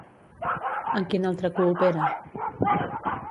En quin altre coopera?